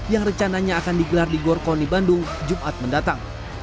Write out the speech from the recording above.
yang rencananya akan digelar di gor koni bandung jumat mendatang